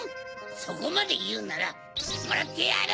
そこまでいうならもらってやる！